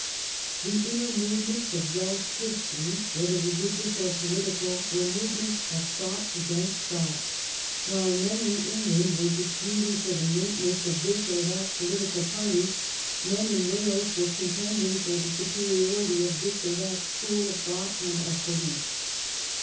The inner move ments of Welsh history, whether religious or political, were movements of thought against thought. While men in England were disputing for the maintenance of this or that political party, men in Wales were contending for the superiority of this or that school of thought and of behef.